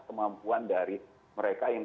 kemampuan dari mereka yang